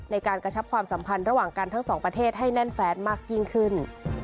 ในการกระชับความสัมพันธ์ระหว่างกันทั้งสองประเทศให้แน่นแฟนมากยิ่งขึ้น